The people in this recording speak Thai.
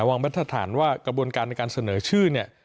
มาตรฐานว่ากระบวนการในการเสนอชื่อเนี่ย